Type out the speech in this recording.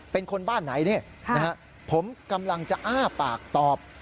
เป็นคนบ้านไหนนี่นะฮะผมกำลังจะอ้าปากตอบ